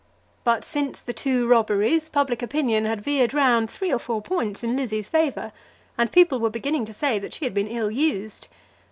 But since the two robberies, public opinion had veered round three or four points in Lizzie's favour, and people were beginning to say that she had been ill used.